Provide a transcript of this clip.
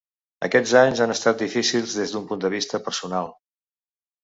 Aquests anys han estat difícils des d’un punt de vista personal.